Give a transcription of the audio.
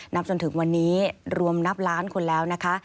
จนถึงวันนี้รวมนับล้านคนแล้วนะคะ